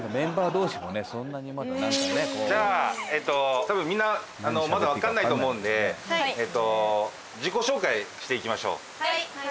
えと多分みんなまだわかんないと思うんでえと自己紹介していきましょうはい